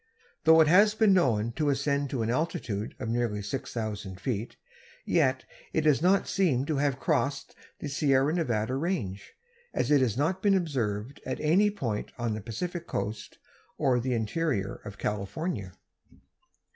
Though it has been known to ascend to an altitude of nearly six thousand feet, yet it does not seem to have crossed the Sierra Nevada range, as it has not been observed at any point on the Pacific coast or the interior of California.